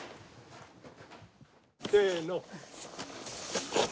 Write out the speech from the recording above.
せの。